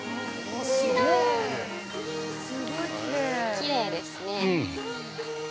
きれいですね。